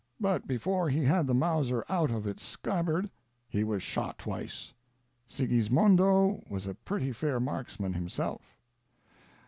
But before he had the Mauser out of its scabbard he was shot twice; Sigismondo was a pretty fair marksman himself.